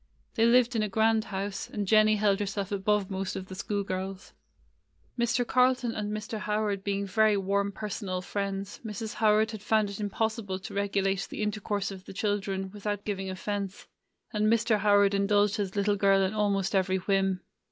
They lived in a grand house, and Jennie held herself above most of the school girls. Mr. Carlton and Mr. Howard being very warm personal friends, Mrs. How ard had found it impossible to regulate the intercourse of the children without giving offence, and Mr. Howard indulged his little girl in almost every whim.